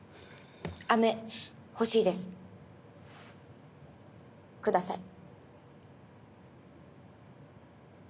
あめ欲しいです。下さい。